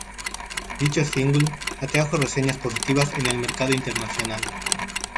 Dicho single atrajo reseñas positivas en el mercado internacional.